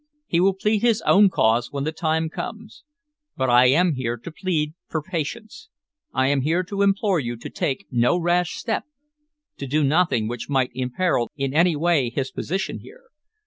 He will plead his own cause when the time comes. But I am here to plead for patience, I am here to implore you to take no rash step, to do nothing which might imperil in any way his position here.